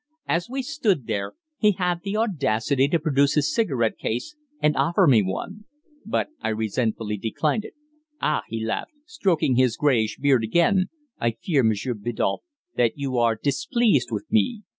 As we stood there, he had the audacity to produce his cigarette case and offer me one. But I resentfully declined it. "Ah!" he laughed, stroking his greyish beard again, "I fear, Monsieur Biddulph, that you are displeased with me.